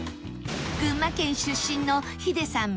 群馬県出身のヒデさん